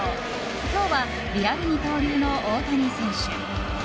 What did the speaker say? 今日は、リアル二刀流の大谷選手。